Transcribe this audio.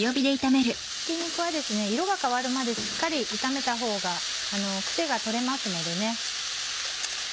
ひき肉は色が変わるまでしっかり炒めたほうがクセが取れますのでね。